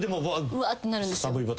うわっ！ってなるんです。